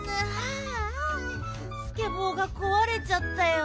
スケボーがこわれちゃったよ。